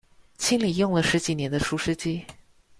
清理用了十幾年的除濕機